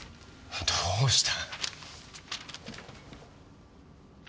どうした？